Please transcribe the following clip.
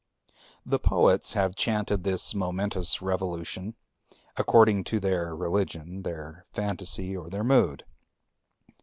The poets have chanted this momentous revolution according to their religion, their phantasy, or their mood.